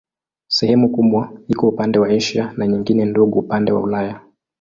Sehemu kubwa iko upande wa Asia na nyingine ndogo upande wa Ulaya.